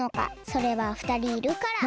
それはふたりいるから！